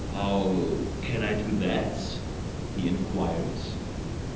"How can I do that?" he inquired.